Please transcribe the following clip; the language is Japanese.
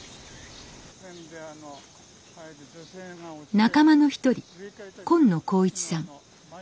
仲間の一人紺野幸一さん。